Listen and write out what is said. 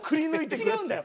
違うんだよ。